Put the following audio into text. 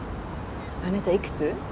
あなたいくつ？